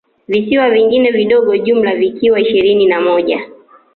Visiwa vingine vidogo jumla vikiwa ishirini na moja